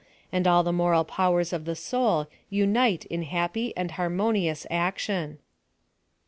and all the moral powers of the soul unite in happy and harmonious ac tion.